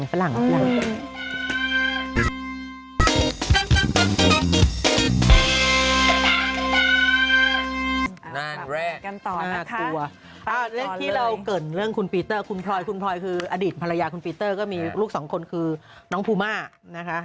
เลขที่เราเกิดเรื่องคุณปีเตอร์คุณพลอยคุณพลอยคืออดีตภรรยาคุณปีเตอร์ก็มีลูกสองคนคือน้องภูมานะคะ